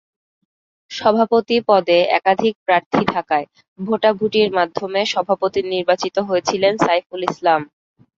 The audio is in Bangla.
সভাপতি পদে একাধিক প্রার্থী থাকায় ভোটাভুটির মাধ্যমে সভাপতি নির্বাচিত হয়েছিলেন সাইফুল ইসলাম।